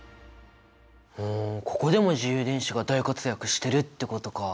ふんここでも自由電子が大活躍してるってことか！